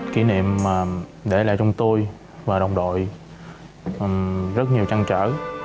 kỷ niệm để lại trong tôi và đồng đội rất nhiều trăn trở